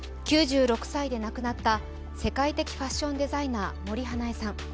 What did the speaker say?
９６歳で亡くなった世界的ファッションデザイナー・森英恵さん。